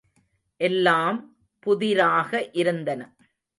எல்லாம் புதிராக இருந்தன.